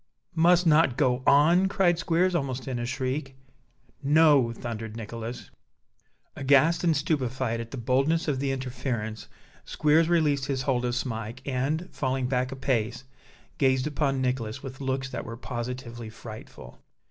"Must not go on!" cried Squeers, almost in a shriek. "No!" thundered Nicholas. Aghast and stupefied at the boldness of the interference, Squeers released his hold of Smike, and, falling back a pace, gazed upon Nicholas with looks that were positively frightful.